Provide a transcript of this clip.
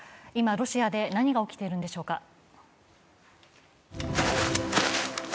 今、ロシアで何が起きているんでしょうか。